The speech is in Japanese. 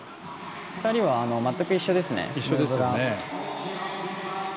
２人は全く一緒ですね。